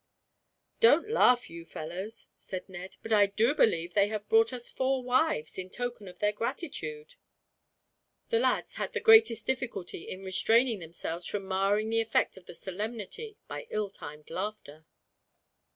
"Don't laugh, you fellows," said Ned. "I do believe that they have brought us four wives, in token of their gratitude." The lads had the greatest difficulty in restraining themselves from marring the effect of the solemnity by ill timed laughter.